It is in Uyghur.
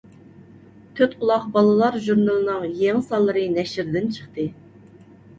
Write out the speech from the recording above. «تۆتقۇلاق بالىلار ژۇرنىلى»نىڭ يېڭى سانلىرى نەشردىن چىقتى.